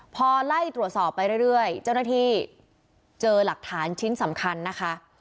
พอไล่ตรวจสอบไปเรื่อยเจ้าหน้าที่เจอหลักฐานชิ้นสำคัญนะคะ